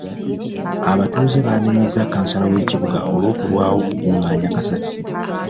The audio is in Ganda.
Abatuuze baanenyezza kansala w'ekibuga olw'okulwawo okukungaanya kasasiro.